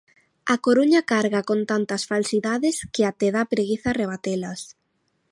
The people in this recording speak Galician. A Coruña carga con tantas falsidades que até dá preguiza rebatelas.